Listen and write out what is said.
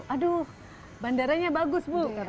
aduh bandaranya bagus bu